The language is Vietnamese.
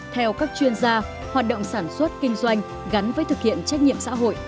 theo các chuyên gia hoạt động sản xuất kinh doanh gắn với thực hiện trách nhiệm xã hội